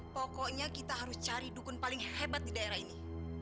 pokoknya kita harus cari dukun paling hebat di daerah ini